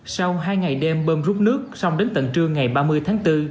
sau hai ngày đêm bơm rút nước xong đến tận trưa ngày ba mươi tháng bốn